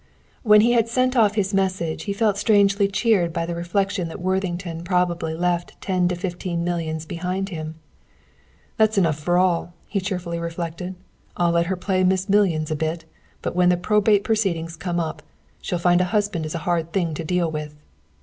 When he had sent off his message he felt strangely cheered by the reflection that Worthington probably left ten to fifteen millions behind him. "There's enough for all," he cheerily reflected. "I'll let her play 'Miss Millions' a bit, but when the probate proceedings come up, she'll find a husband is a hard thing to deal with."